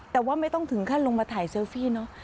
แต่ว่าไม่ต้องถึงขั้นลงมาถ่ายเซลฟี่เนอะ